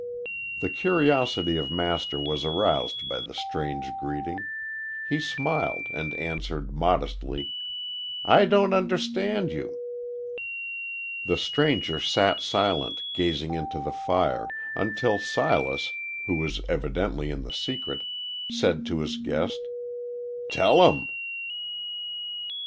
The curiosity of Master was aroused by the strange greeting. He smiled, and answered, modestly, "I don't understand you." The stranger sat silent, gazing into the fire, until Silas, who was evidently in the secret, said to his guest, "Tell 'em."